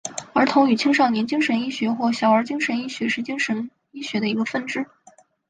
儿童与青少年精神医学或小儿精神医学是精神医学的一个分支。